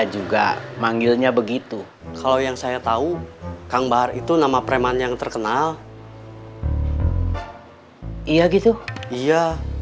juga manggilnya begitu kalau yang saya tahu kang bahar itu nama preman yang terkenal iya gitu iya